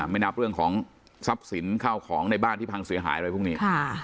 ไม่นับเรื่องของทรัพย์สินข้าวของในบ้านที่พังเสียหายอะไรพวกนี้